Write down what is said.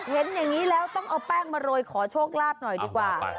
เห็นอย่างนี้แล้วต้องเอาแป้งมาโรยขอโชคลาภหน่อยดีกว่า